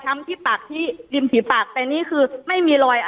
แต่คุณยายจะขอย้ายโรงเรียน